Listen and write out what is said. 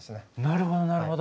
なるほどなるほど。